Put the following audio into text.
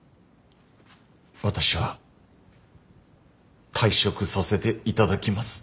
私は退職させていただきます。